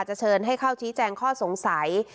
เชิญให้เข้าชี้แจงข้อสงสัย